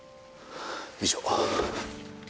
以上。